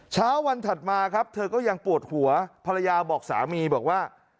เช้าวันถัดมาครับเธอก็ยังปวดหัวภรรยาบอกสามีบอกว่า